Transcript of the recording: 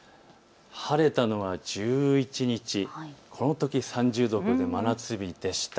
晴れたのは１１日、このとき３０度を超える真夏日でした。